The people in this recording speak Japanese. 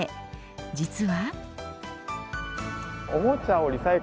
実は。